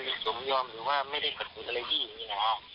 สมยอมหรือว่าไม่ได้ขัดขืนอะไรพี่อย่างนี้นะครับ